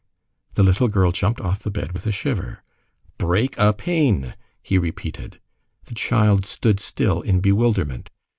The little girl jumped off the bed with a shiver. "Break a pane!" he repeated. The child stood still in bewilderment.